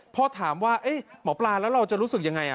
พอถามว่าหมอปลาแล้วเราจะรู้สึกยังไง